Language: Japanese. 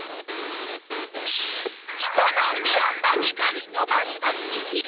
人のうでは曲げたりのばしたりできる。